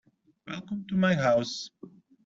Welcome to my house.